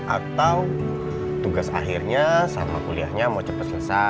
atau tugas akhirnya sama kuliahnya mau cepat selesai